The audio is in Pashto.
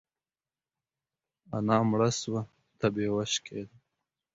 انا مړه سوه او تبه يې وشکيده.